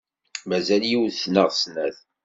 Mazal yiwet neɣ snat.